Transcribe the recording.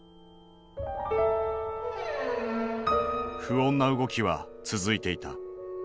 不穏な動きは続いていた。